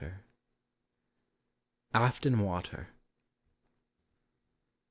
AFTON WATER.